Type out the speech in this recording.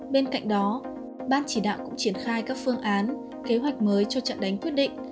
bên cạnh đó ban chỉ đạo cũng triển khai các phương án kế hoạch mới cho trận đánh quyết định